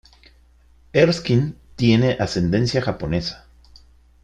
Erskine tiene ascendencia japonesa.